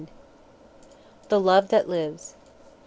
"THE LOVE THAT LIVES."